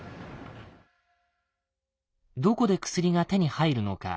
どこで薬が手に入るのか。